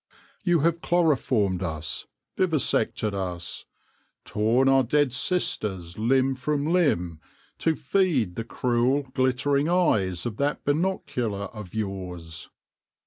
You have chloroformed us, vivisected us, torn our dead sisters limb from limb to feed the cruel, glittering eyes of that binocular of yours.